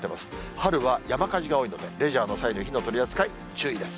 春は山火事が多いので、レジャーの際の火の取り扱い、注意です。